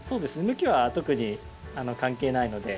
向きは特に関係ないので。